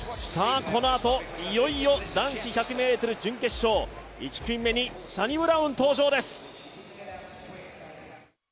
このあと、いよいよ男子１００ｍ準決勝１組目にサニブラウン登場です。